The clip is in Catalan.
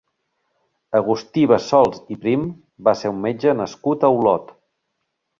Agustí Bassols i Prim va ser un metge nascut a Olot.